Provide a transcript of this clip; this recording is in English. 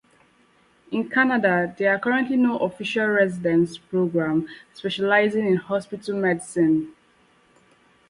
In Canada, there are currently no official residency programs specializing in hospital medicine.